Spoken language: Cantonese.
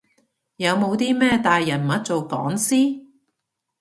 有冇啲咩大人物做講師？